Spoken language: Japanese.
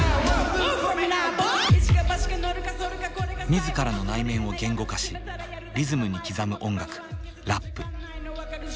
自らの内面を言語化しリズムに刻む音楽ラップ。